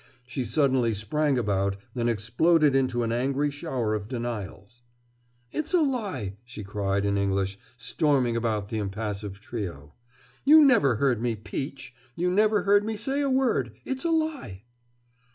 She suddenly sprang about and exploded into an angry shower of denials. "It's a lie!" she cried in English, storming about the impassive trio. "You never heard me peach! You never heard me say a word! It's a lie!"